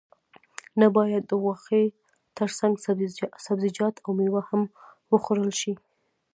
نه باید د غوښې ترڅنګ سبزیجات او میوه هم وخوړل شي